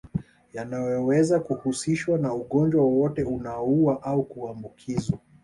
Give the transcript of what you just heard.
Yanaoweza kuhusishwa na ugonjwa wowote aunaoua au kuambukiza